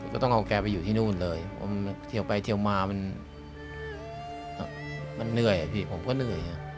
ก็ต้องเอาแกไปอยู่ที่นู่นเลยเที่ยวไปเที่ยวมามันเหนื่อยอ่ะพี่ผมก็เหนื่อยอ่ะ